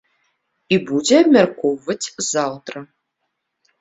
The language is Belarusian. І будзе абмяркоўваць заўтра.